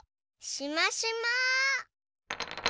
しましま。